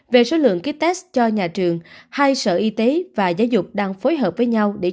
về số lượng ký test cho nhà trường hai sở y tế và giáo dục đang phối hợp với nhau